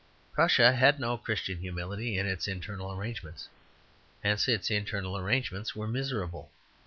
Prussia had no Christian humility in its internal arrangements; hence its internal arrangements were miserable.